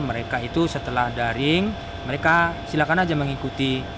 mereka itu setelah daring mereka silakan aja mengikuti